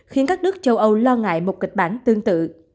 khiến các nước châu âu lo ngại một kịch bản tương tự